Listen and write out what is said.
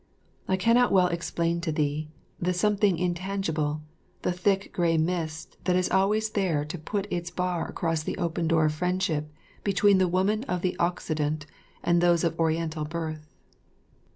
I cannot well explain to thee, the something intangible, the thick grey mist that is always there to put its bar across the open door of friendship between the woman of the Occident and those of Oriental blood.